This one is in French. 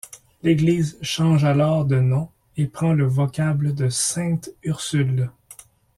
L'église change alors de nom et prend le vocable de Sainte-Ursule.